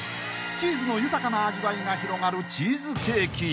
［チーズの豊かな味わいが広がるチーズケーキ］